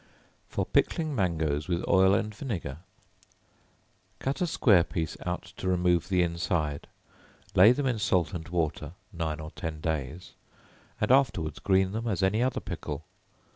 For Pickling Mangoes with Oil and Vinegar. Cut a square piece out to remove the inside; lay them in salt and water nine or ten days, and afterwards green them as any other pickle.